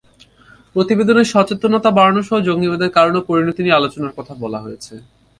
প্রতিবেদনে সচেতনতা বাড়ানোসহ জঙ্গিবাদের কারণ এবং পরিণতি নিয়ে আলোচনার কথা বলা হয়েছে।